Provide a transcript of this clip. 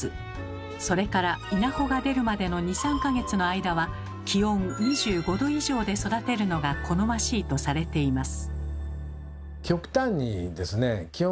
それから稲穂が出るまでの２３か月の間は気温２５℃以上で育てるのが好ましいとされています。